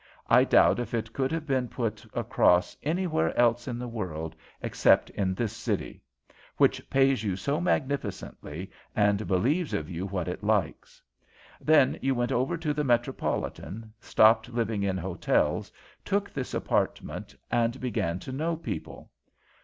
I doubt if it could have been put across anywhere else in the world except in this city, which pays you so magnificently and believes of you what it likes. Then you went over to the Metropolitan, stopped living in hotels, took this apartment, and began to know people.